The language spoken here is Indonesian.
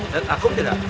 dapet akum tidak